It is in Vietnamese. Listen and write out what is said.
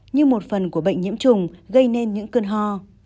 như một phần của bệnh nhiễm trùng gây nên những cơn ho